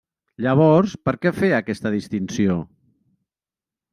Llavors, per què fer aquesta distinció?